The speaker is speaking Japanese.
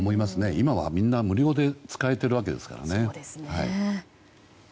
今はみんな無料で使えているわけですからね。